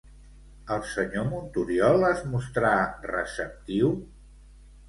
El senyor Montoriol es mostrà receptiu?